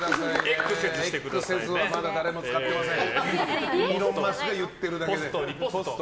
エックセズは誰も使ってません。